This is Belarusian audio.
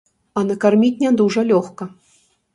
А накарміць не дужа лёгка.